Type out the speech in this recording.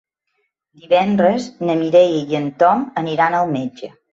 Divendres na Mireia i en Tom aniran al metge.